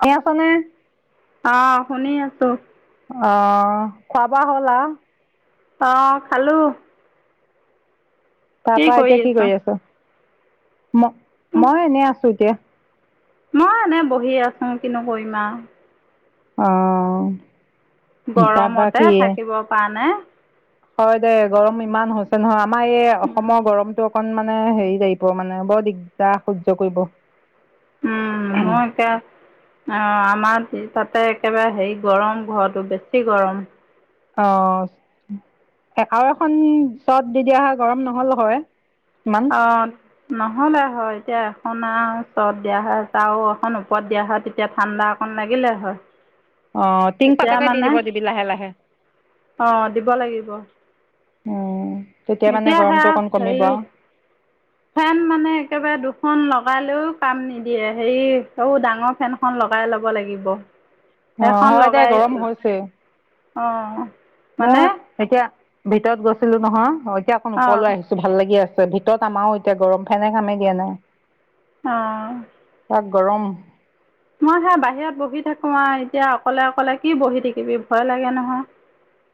শুনি আছ নে? অ', শুনি আছোঁ। অ', খোৱা বোৱা হ'ল আৰু? অ', খালোঁ। তাৰ পৰা এতিয়া কি কৰি আছ? ম-মই এনেই আছোঁ এতিয়া। মই এনে বহি আছোঁ, কিনো কৰিম আৰু। অ'। তাৰপা গৰমতে কি থাকিব পাৰা নাই। হয় দে গৰম ইমান হৈছে নহয়। আমাৰ এই অসমৰ গৰমতটো অকন মানে হেৰি টাইপ ৰ মানে বৰ দিগদাৰ সহ্য কৰিব। উম, মই এতিয়া অ', আমাৰ তাতে একেবাৰে হেৰি গৰম ঘৰটো বেছি গৰম। অ', আৰু এখন চত দি দিয়া হয়, গৰম নহ'ল হয়। ইমান অ'। নহ'লে হয়, এতিয়া এখন আৰু চৰত দিয়া হয় চা এখন ওপৰত দিয়া হয় তেতিয়া ঠাণ্ডা অকণ লাগিলে হয়। আহ, টিং এতিয়া পাতকে দি মানে দিব দিবি লাহে লাহে। অ' দিব লাগিব উম, তেতিয়া মানে এতিয়া গৰমটো সেয়া অকণ কমিব। হেৰি ফেন মানে একেবাৰে দুখন লগালেও কাম নিদিয়ে, হেৰি সৌ ডাঙৰ ফেনখন লগাই ল'ব লাগিব। অ' হয় দে, গৰম হৈছে। অ' মই এতিয়া ভিতৰত গৈছিলো নহয়, অ', এতিয়া অকন ওপৰলৈ অঁ আহিছিলোঁ। ভাল লাগি আছে ভিতৰত আমাৰও এতিয়া গৰম, ফেনে কামেই দিয়া নাই। অ'। তাত গৰম। মই সেয়া বাহিৰত বহি থাকো আৰু এতিয়া অকলে অকলে কি বহি থাকিবি ভয় লাগে নহয়।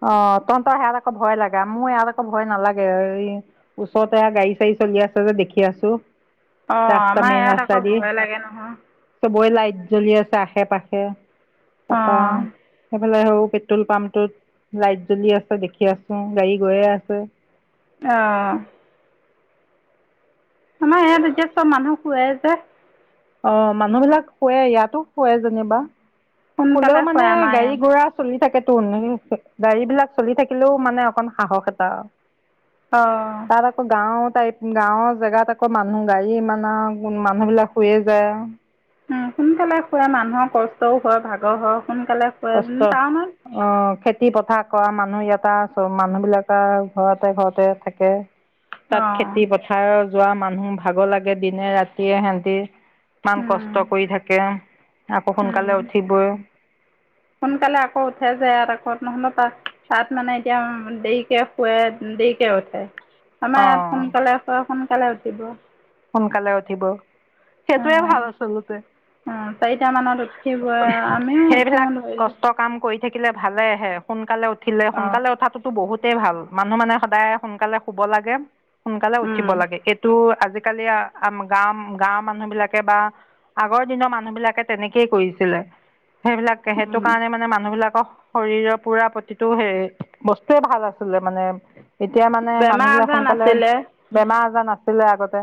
অ', তহতৰ হেয়াত আকৌ ভয় লাগে, মোৰ ইয়াত আকৌ ভয় নালাগে, এই ওচৰতে এয়া গাৰী চাৰি চলি আছে যে দেখি আছোঁ। অ', আমাৰ ইয়াত আকৌ ভয় লাগে নহয়। চবৰে লাইট জ্বলি আছে আশে পাশে, তাপা অঁ সেইফালে সৌ, পেট্ৰল পাম্পটোত লাইট জ্বলি আছে দেখি আছোঁ, গাড়ী গৈয়ে আছে। অ' আমাৰ ইয়াত এতিয়া চব মানুহ শুৱে যে। অ', মানুহ বিলাক শুৱে, ইয়াতো শুৱে যেনিবা, শুলও সোনকালে শুৱে মানে আমাৰ ইয়াত গাড়ী গৈ আ- চলি থাকেতো, [unintelligible] গাড়ী বিলাক চলি থাকিলেও মানে অকন সাহস এটা অ' তাত আকৌ গাঁৱৰ টাইপ, গাঁৱৰ জেগাত আকৌ মানুহ, গাড়ী ইমান আৰু মানুহবিলাক শুয়ে যায়। উম সোনকালে শুৱে, মানুহৰ কষ্টও হয়, ভাগৰ হয়, সোনকালে কষ্ট শুৱে টাউনত অ', খেতি পথাৰ কৰা মানুহ ইয়াতে আছোঁ, মানুহ বিলাক আৰু ঘৰতে ঘৰতে থাকে। তাত অঁ খেতি পথাৰ যোৱা, মানুহ ভাগৰ লাগে, দিনে-ৰাতিয়ে সিহেতি ইমান উম কষ্ট কৰি থাকে, আকৌ সোনকালে উম উঠিবই সোনকালে আকৌ উঠে‌ যে, ইয়াত আকৌ নহলে পাছ- তাত মানে এতিয়া উম দেৰিকে শুৱে, দেৰিকে উঠে। আমাৰ ইয়াত অঁ সোনকালে শুৱে, সোনকালে উঠিব। সোনকালে উঠিব সেইটোয়ে উম, ভাল আচলতে, উম, চাৰিটা মানত উঠিবই আমিও উঠো সেইবিলাক ধৰি কষ্ট কাম কৰি থাকিলে ভালেহে, সোনকালে উঠিলে, অঁ সোনকালে উঠাতো টো বহুতেই ভাল, মানুহ মানে সদায় সোনকালে শুব লাগে, সোনকালে উঠিব লাগে, এইটো আজি কালি গাও, গাঁৱৰ মানুহ বিলাকে বা আগৰ দিনৰ মানুহ বিলাকে তেনেকেই কৰিছিলে, সেইবিলাক সেইটো কাৰণেই মানে মানুহ বিলাকক শৰীৰৰ পুৰা প্ৰতিটো, সেই বস্তুৱে ভাল আছিলে মানে। এতিয়া মানে বেমাৰ মানুহ বিলাক আজাৰ সোনকালে, নাছিলে বেমাৰ-আজাৰ নাছিলে আগতে।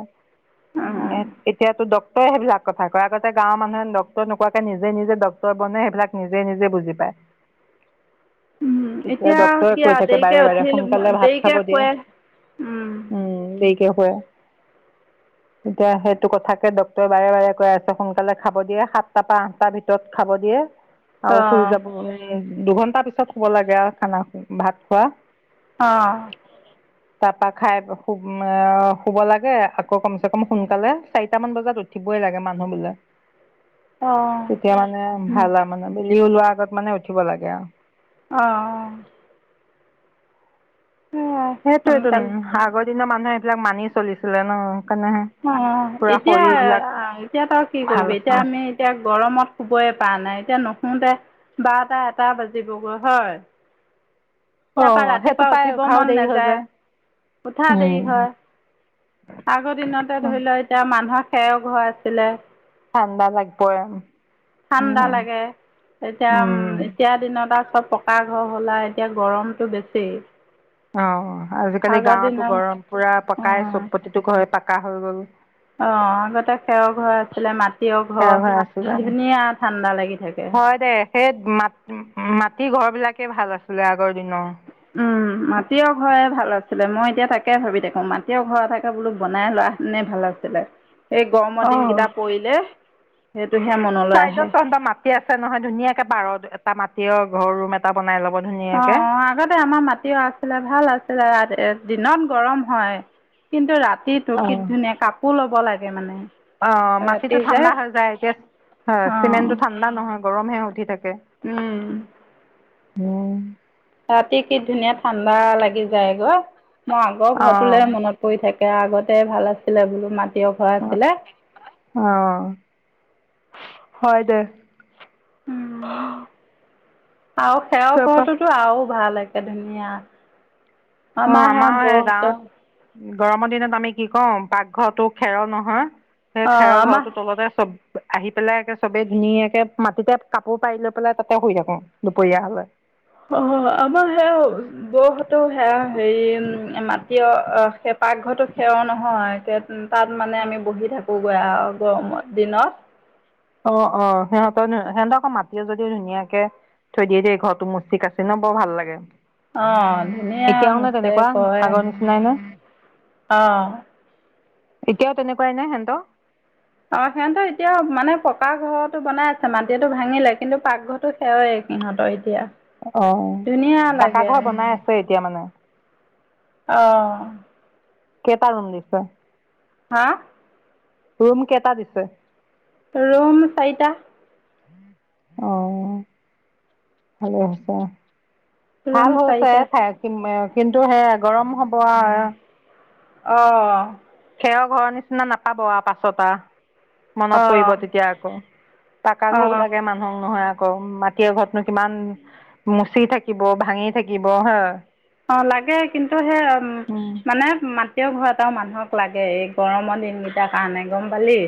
উম, এতিয়াতো ড তৰ সেইবিলাক কথা কয়, আগতে গাঁৱৰ মানুহে ডক্তৰে নোকোৱাকে, নিজে নিজে ডক্টৰ বনে, সেইবিলাক নিজে নিজে বুজি পায়। উম, এতিয়া ডক্টৰে কি কৈ আৰু থাকে, দেৰিকে বাৰে বাৰে উঠিল সোনকালে ভাত দেৰিকে খাব দিয়ে। শুৱে উম দেৰিকে শোৱে। এতিয়া সেইটো কথাকে ডক্টৰে বাৰে বাৰে কৈ আছে, সোনকালে খাব দিয়ে সাতটাৰ পৰা আঠটাৰ ভিতৰত খাব দিয়ে। [unintelligible] আৰু অঁ শুই যাব লা [unintelligible] দুঘন্টা পিছত শুব লাগে আৰু খানা, ভাত খোৱা। অ' তাপা খাই প শুব মআ, খাই শুব লাগে আকৌ কম চে কম সোনকালে, চাৰিটা মান বজাত উঠিবই লাগে মানুহ বোলে। তেতিয়া মানে ভাল আৰু মানে বেলি ওলোৱা আগত মানে উঠিব লাগে আৰু। অ [unintelligible] সেইটোৱেই টো সোনকালে আগৰ দিনৰ মানুহে এইবিলাক মানি চলিছিলে ন সেইকাৰণেহে অ পুৰা এতিয়া শৰীৰ বিলাক এতিয়া তই কি ভাল কৰিবি আছিল এতিয়া আমি এতিয়া গৰমত শুবই পৰা নাই এতিয়া নুশুতে বাৰটা এটা বাজিবগৈ হয়। অ তাৰ পৰা সেইটো ৰাতিপুৱা পাই উঠিব উঠাও মন দেৰি হৈ নাযায় যায় উঠা দেৰি উম হয়। আগৰ দিনতে ধৰি ল এতিয়া মানুহৰ খেৰৰ ঘৰ আছিলে। ঠাণ্ডা লাগিব ঠাণ্ডা লাগে এতিয়া উ উম এতিয়া দিনত আৰু চব পকা ঘৰ হ'ল আৰু এতিয়া গৰমতটো বেছি। অ আজিকালি আগৰ গাঁৱতো দিনত গৰম পোৰা পকাই অঁ চব প্ৰতিটো ঘৰ পকা হৈ গ'ল। অ আগতে খেৰৰ ঘৰ আছিলে মাটিৰ সেয়া ঘৰ হৈ আছিলে ধুনীয়া ঠাণ্ডা লাগি থাকে। হয় দে সেই মাটি ঘৰ বিলাকে ভাল আছিলে আগৰ দিনৰ। উম মাটিৰ ঘৰ ভাল আছিলে মই এতিয়া তাকে ভাবি থাকোঁ মাটিৰ ঘৰ এটাকে বোলো বনাই লোৱা হতেনে ভাল আছিল। এই গৰমৰ দিনকেইটা পৰিলে সেইটোহে মনলৈ চাইডত আহে। তহঁতৰ মাটি আছে নহয় ধুনীয়াকে পাৰত এটা মাটিৰ ঘৰ ৰুম এটা বনাই ল'ব ধুনীয়া অ অ আগতে আমাৰ মাটিও আছে ভাল আছিলে দিনত গৰম হয় কিন্তু ৰাতিটো কি ধুনীয়া কাপ কো ল'ব লাগে মানে। অ মাটিতটো ৰাতি যে ঠাণ্ডা হৈ যায় এতিয়া হয় অ চিমেণ্টটো ঠাণ্ডা নহয় গৰমহে উঠি থাকে। উম [unintelligible] ৰাতি কি ধুনীয়া ঠাণ্ডা লাগি যায়গৈ মই আগৰ অ' ঘৰটোলেহে মনত পৰি থাকে আগতে ভাল আছিলে বোলো মাত অ অ হয় দে। উম আৰু খেৰ তাৰপা ঘৰটোতো আৰু ভাল ধুনীয়া আমা অ' হে আমাৰ সেই বৌহত, গাঁৱত গৰমৰ দিনত আমি কি কওঁ পাকঘৰটো খেৰৰ নহয় সেই অ খেৰৰ আমাৰ ঘৰটো তলতে চব আহি পেলাই একে চবে ধুনীয়াকে মাটিতে কাপোৰ পাৰি লৈ পেলাই তাতে শুই থাকো দুপৰীয়া হলে। অ আমাৰ বৌহতেও সে হেৰি মাটিৰে পাকঘৰটো সেৱ নহয়। উম তাত মানে আমি বহি থাকোগৈ আৰু গৰমৰ দিনত। অ অ সিহঁতৰ সিহঁতক আকৌ মাতিও যদি ধুনীয়াকে। থৈ দিয়ে দেই ঘৰৰতটো মুচি কাঁচি ন বৰ ভাল লাগে। অ ধুনীয়া এতিয়াও নে মোচে তেনেকুৱা কয় আগৰ নিচিনাই নে। অ এতিয়াও তেনেকুৱাই নে হেনতৰ। অ সিহঁতৰ এতিয়াও মানে পকা ঘৰতো বনাই আছে মাটিয়টো ভাঙিলে কিন্তু পাকঘৰ সেৱাই সিহঁতৰ এতিয়া। অ ধুনীয়া পাকা লাগে ঘৰ বনাই আছে এতিয়া মানে। অ কেইটা ৰুম দিছে। হা ৰুম কেইটা দিছে। ৰুম চাৰিটা। অ ভালেই হৈছে। ভাল ৰুম হৈছে চাৰিটা থাই ওম কিন্তু সেয়া গৰম হ'বআৱ অঁ খেৰ ঘৰৰ নিচিনা নাপাব আৱ পাছ পা মনত পৰিব অঁ তেতিয়া আকৌ পাকা ঘও অঁ লাগে মানুহ ক নহয় আকৌ মাটিৰৰ ঘৰতনো কিমান মুচি থাকিব, ভাঙি থাকিব হা অঁ লাগে কিন্তু সেই উম মানে মা টিয়ৰ ঘৰ এটাও মানুহক লাগে এই গৰমৰ দিনকেইটাৰ কাৰণে গম পালি।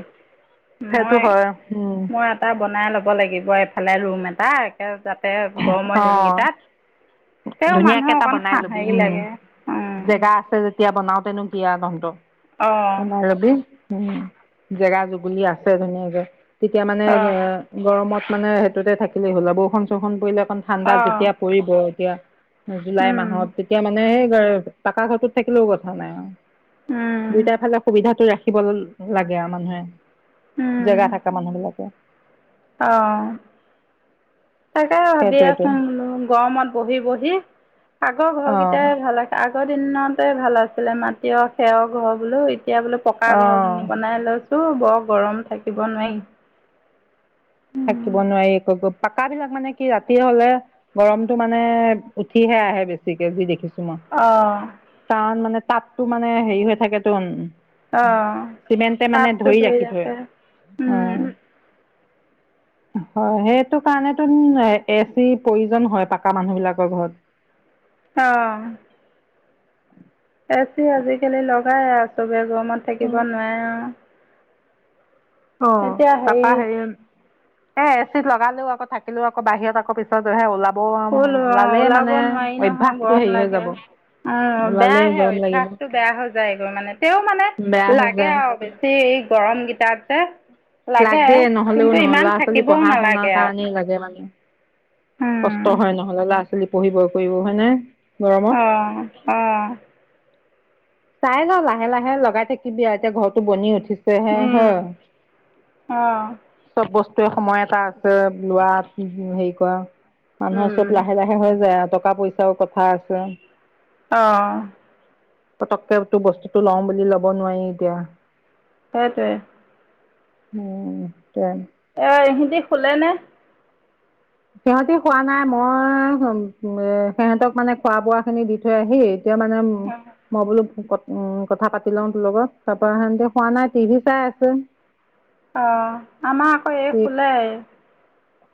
সেইটো মই হয় উম মই এটা বনাই ল'ব লাগিব এইফালে ৰুম এটা যাতে গৰমৰ অ দিনকেইটাত, তেওঁ মানুহ ধুনীয়াকে এটা অকণ বনাই লবি হেৰি উম লাগে অঁ জেগা আছে যেতিয়া বনাওতেনো কি আও জন-তন অঁ বনাই লবি উম জেগা জুগুলি আছে ধুনীয়াকে তেতিয়া মানে গৰমত মানে সেইটোতে থাকিলেই হ'ল আৰু বৰষুণ-চৰষুণ পৰিলে অকণ ঠাণ্ডা অঁ যেতিয়া পৰিব এতিয়া জুলাই মাহত তেতিয়া মানে স পাকা ঘৰটোত থাকিলেও কথা নাই আউ দুইটা ফালে সুবিধাটো ৰাখিব লাগে আৱ মানুহে জেগা থাকে মানুহ বিলাকে। অ, তাকে ভাবি সেইটোৱেটো আছোঁঙ বুলো গৰমত বহি বহি আগৰ অ ঘৰ কেইটাই ভাল আ আগৰ দিনতে ভাল আছিলে মাটিঅ খেৰ ঘৰ বোলো এতিয়া বোলো বো পকা অ ঘৰ বনাই লৈছোঁ বৰ গৰম থাকিব নোৱাই। থাকিব নোৱাৰি পাকা বিলাক মানে কি ৰাতিয হলে গৰমটো মানে উঠিহে আহে বেছিকে যি দেখিছো মই। অঁ কাৰণ মানে তাপটো মানে হেৰি হৈ থাকেটোন অ', চিমেণ্টে মানে তাপটো ধৰি ৰাখি থয়। ৰাখে অ উম, অ সেইটো কাৰণেটোন এচি প্ৰয়োজন হয় পাকা মানুহ বিলাকৰ ঘৰত অ' এ চি আজিকালি লগাই আৰু চবে গৰমত থাকিব নোৱাৰে আও অ' তাপা হেৰি এ এ চিত লগালো আকৌ থাকিলো আকৌ বাহত আকৌ পিছত হে ওলাম বম হ'ল অ ওলালে ওলাব মানে নোৱাৰি নহয় অভ্যাসটো গৰম হেৰি হৈ লাগে যাব অ', ওলালেই বেয়াহে গৰম লাগিব অভ্যাসটো বেয়া হৈ যায় গৈ মানে তে মানে বেয়া হৈ লাগে যায় আৰু বেছি গৰম গীতাতে লাগে নহ'লেও নহয় ল'ৰা-ছোৱালী থাকিবও পঢ়া শুনাৰ নালাগে আৰু কাৰণেই লাগে মানে উম কষ্ট হয় নহ'লে ল'ৰা-ছোৱালী পঢ়িব কৰিব হয় নে? অ অ চাই ল লাহে লাহে লগাই থাকিবি আউ এতিয়া ঘৰটো বনি আছে ছেহে হে উম অ চব বস্তুৱে সময় এটা আছে লোৱাত, হেৰি কৰা মানুহৰ চব উম লাহে লাহ হে হৈ যায় আৰু টকা পইচাও কথা আছে অ' পতককেটো বস্তুটো লওঁ বুলি ল'ব নোৱাৰি এতিয়া সেইটোৱে উম হেইটোৱে এ ইহেতি শুলেনে? সিহঁতি শুৱা নাই, মই সিহঁতক মানে খোৱা বোৱা খিনি দি থৈ আহি এতিয়া মানে [unintelligible] মই বোলো কথা পাতি লওঁ তোৰ লগত, তাপা সিহঁতি হোৱা নাই টিভি চাই আছে। [inaudible] অ', আমা আক এই শুলে।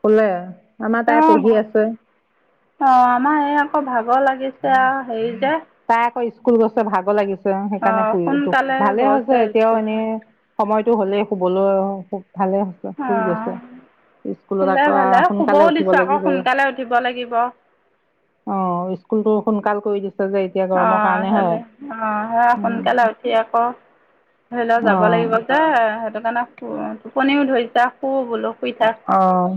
শুলে, আমাৰ অ তাই পঢ়ি ভাগ আছে। অ', আমাৰ এই আক ভাগৰ লাগিছে আও হেৰি যে। তাই আকৌ স্কুল গৈছে ভাগৰ লাগিছে, সেইকাৰণে অ', শুই সোনকালে ভালে গৈছে হৈছে এতিয়াও স্কুল এনে। সময়টো হ'লে শুবলৈ, ভালে। শুই গৈছে, অ'। স্কুলত শুলে আকৌ ভালে শুবও সোনকালে উঠিব দিছো আকৌ লাগিব। সোনকালে উঠিব লাগিব। অ', স্কুলতো সোনকাল কৰি দিছে যে এতিয়া গৰমৰ অ', কাৰণে হয়। হলে অ', সে সোনকালে উঠি আকৌ ধৰি লওঁ অ যাব লাগিব। দে সেইটো কাৰণে টোপনিও ধৰিছে, শু বোলো। শুই থাক। অ',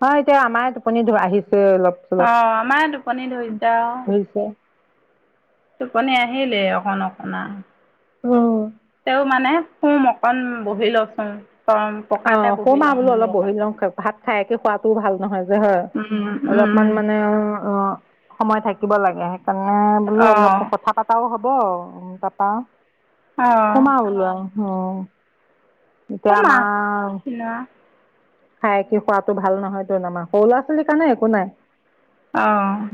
হয় এতিয়া আমাৰে টোপনি আহিছে অলপ। অ', আমাৰে টোপনি ধৰিছে আও। পিছে। টোপনি আহিলেই অকণ অকন আও, অ তেওঁ মানে। শুম অকণ বহি লওঁক চোন শুম আৰু বোলো অলপ বহি লওঁ, ভাত খায়কে শুৱাটো ভাল নহয় যে হয়। উম, উম, অলপমান মানে অ' অ'। সময় থাকিব লাগে, সেইকাৰণে বোলো অলপ অ', কথা পতাও হব তাপা। অ', শুম আও বোলো আও, উম, এতিয়া আমা চিলোৱা। খাই কি শুৱাটো ভাল নহয় টোন আমাৰ, সৰু ল'ৰা ছোৱালীৰ কাৰণে একো নাই। অ'।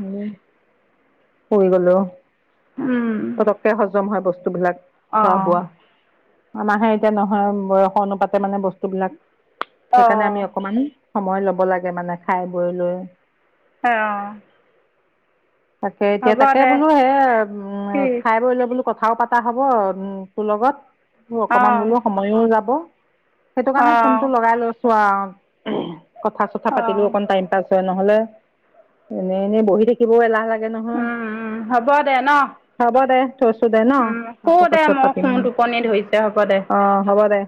শুই গলোঁ। উম। পতককে হজম হয় বস্তুবিলাক, খোৱা অঁ বোৱা। আমাহে এতিয়া নহয় বয়সৰ অনুপাতে মানে বস্তুবিলাক, সেইকাৰণে অঁ আমি অকমান সময় লব লাগে মানে খায় বৈ লৈ। অঁ। তাকে এতিয়া, হ'ব তাকে দে বোলো হে উম কি খায় বৈ লৈ বোলো। কথাও পাতা হব উম তোৰ লগত, অকমান অঁ বোলো সময়ও যাব। সেইটো কাৰণে অঁ ফোনটো লগাই লৈছো আও, কথা চথা অঁ পাতিলো অকন টাইম পাছ। নহলে এনে এনে বহি থাকি। থাকিব এলাহ লাগে নহয়, হ'ব দে ন হ'ব দে। থৈছোঁ দে ন, উম, শু আকৌ দে পাছত ময়ো পাতিম, শু টোপনি ধৰিছে হ'ব দে অ হ'ব দে।